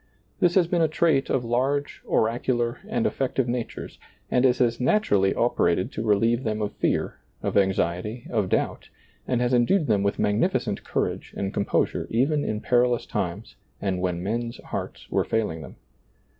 This has been a trait of large, oracular, and effective natures, and it has naturally operated to relieve them of fear, of anxiety, of doubt, and has en dued them with magnificent courage and com posure even in perilous times and when men's hearts were failing them.